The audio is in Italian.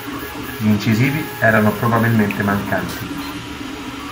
Gli incisivi erano probabilmente mancanti.